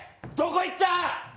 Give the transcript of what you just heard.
どこ行った！